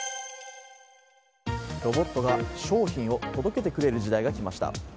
ロボットが商品を届けてくれる時代が来ました。